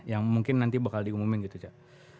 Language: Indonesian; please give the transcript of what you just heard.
yang mungkin nanti bakal diumumin gitu cak